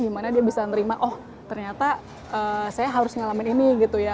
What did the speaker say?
dimana dia bisa nerima oh ternyata saya harus ngalamin ini gitu ya